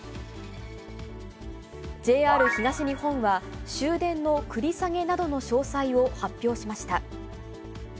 ＪＲ東日本は、終電の繰り下げなどの詳細を発表しました。